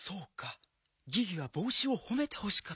ギギはぼうしをほめてほしかったんだ。